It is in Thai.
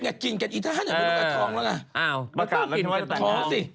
ประกาศเราคิดว่าจะแต่งงานเมื่อไหร่สิ